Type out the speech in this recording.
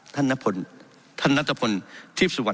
ท่านนัทธพลที่สุดวัน